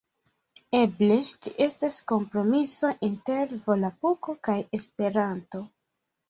Eble ĝi estas kompromiso inter volapuko kaj Esperanto.